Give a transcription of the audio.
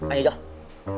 anh nghe chưa